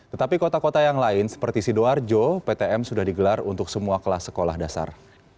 tetapi kota kota yang lain seperti sidoarjo ptm sudah digelar untuk semua kelas sekolah dasar